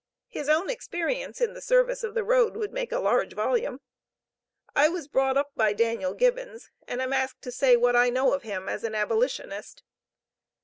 His own experience in the service of this road would make a large volume. I was brought up by Daniel Gibbons, and am asked to say what I know of him as an abolitionist.